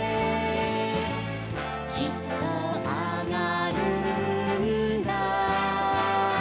「きっとあがるんだ」